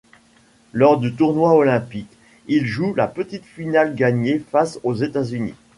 Lors du tournoi olympique, il joue la petite finale gagnée face aux États-Unis.